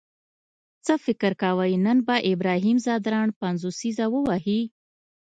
څه فکر کوئ نن به ابراهیم ځدراڼ پنځوسیزه ووهي؟